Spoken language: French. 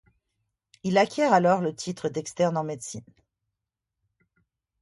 Il acquiert alors le titre d'externe en médecine.